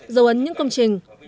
dầu ấn những công trình